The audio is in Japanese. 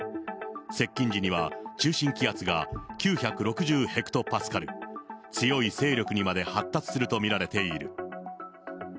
接近時には中心気圧が９６０ヘクトパスカル、強い勢力にまで発達すると見られている。